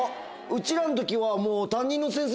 うちらの時はもう。